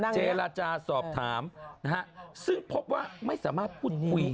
เจรจาสอบถามนะฮะซึ่งพบว่าไม่สามารถพูดคุย